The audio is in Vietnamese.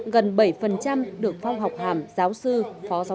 gần bảy được phong học hàm giáo sư phó giáo sư